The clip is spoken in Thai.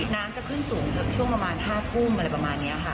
น้ำจะขึ้นสูงแบบช่วงประมาณ๕ทุ่มอะไรประมาณนี้ค่ะ